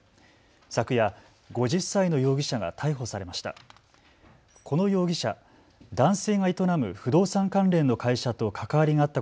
昨夜、５０歳の容疑者が逮捕されました。